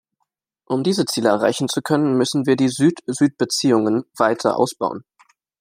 Um diese Ziele erreichen zu können, müssen wir die Süd-Süd-Beziehungen weiter ausbauen.